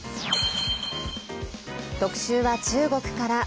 特集は中国から。